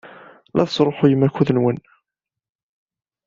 La tesṛuḥuyem akud-nwen.